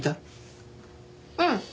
うん。